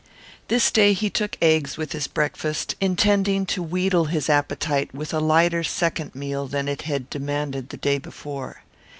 This day he took eggs with his breakfast, intending to wheedle his appetite with a lighter second meal than it had demanded the day before.